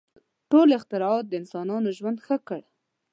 • ټول اختراعات د انسانانو ژوند ښه کړ.